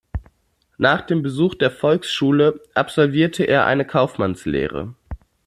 Nach dem Besuch der Volksschule absolvierte er eine Kaufmannslehre.